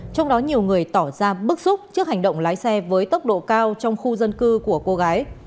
trong đó nhiều người tỏ ra bức xúc trước hành động lái xe với tốc độ cao trong khu dân cư của cô gái